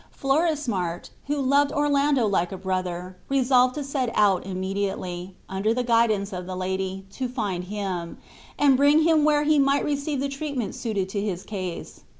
Florismart, who loved Orlando like a brother, resolved to set out immediately, under the guidance of the lady, to find him, and bring him where he might receive the treatment suited to his case.